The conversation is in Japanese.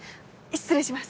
失礼します。